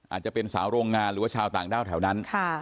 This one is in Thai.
อาจจะเป็นสาวโรงงานหรือว่าชาวต่างด้าวแถวนั้น